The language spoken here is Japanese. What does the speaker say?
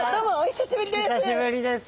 久しぶりです。